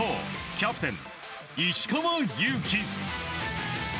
キャプテン石川祐希。